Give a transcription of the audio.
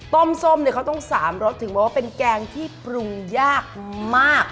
ส้มเนี่ยเขาต้อง๓รสถึงบอกว่าเป็นแกงที่ปรุงยากมาก